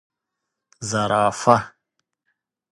🦒 زرافه